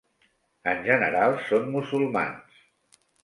En general són musulmans.